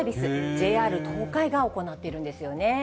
ＪＲ東海が行っているんですよね。